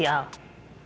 masih sama si al